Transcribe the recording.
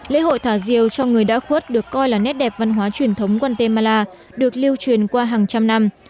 lễ hội thả diều cho người đã khuất được coi là nét đẹp văn hóa truyền thống guatemala được lưu truyền qua hàng trăm năm